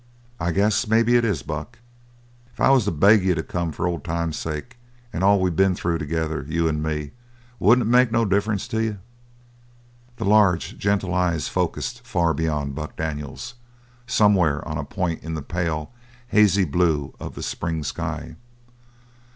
"I guess maybe it is, Buck." "If I was to beg you to come for old time's sake, and all we been through together, you and me, wouldn't it make no difference to you?" The large, gentle eyes focused far beyond Buck Daniels, somewhere on a point in the pale, hazy blue of the spring sky.